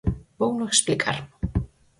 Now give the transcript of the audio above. Vouno explicar.